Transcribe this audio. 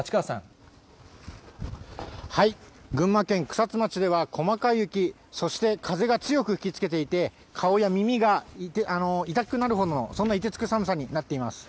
草津町では、細かい雪、そして風が強く吹きつけていて、顔や耳が痛くなるほどの、そんないてつく寒さになっています。